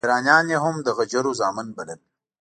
ایرانیان یې هم د غجرو زامن بلل.